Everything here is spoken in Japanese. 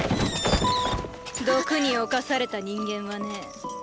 毒に侵された人間はね